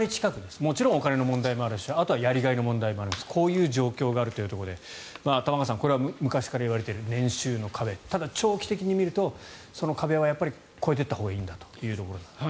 もちろんお金の問題やりがいの問題もありますがこういう状況があるということで玉川さん、これは昔から言われている年収の壁ただ、長期的に見るとその壁はやっぱり超えていったほうがいいというところ。